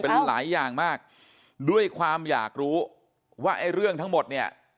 เป็นหลายอย่างมากด้วยความอยากรู้ว่าไอ้เรื่องทั้งหมดเนี่ย